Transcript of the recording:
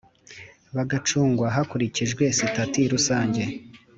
bagacungwa hakurikijwe sitati rusange